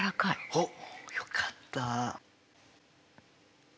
おっよかった。